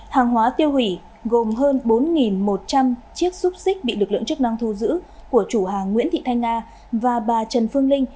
hàng hóa tiêu hủy gồm hơn bốn một trăm linh chiếc xúc xích bị lực lượng chức năng thu giữ của chủ hàng nguyễn thị thanh nga và bà trần phương linh